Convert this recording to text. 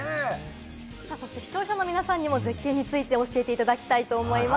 そして視聴者の皆さんにも絶景について教えていただきたいと思います。